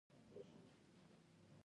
خور د خاموشۍ ژبه پوهېږي.